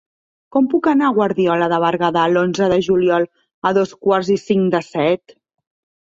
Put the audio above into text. Com puc anar a Guardiola de Berguedà l'onze de juliol a dos quarts i cinc de set?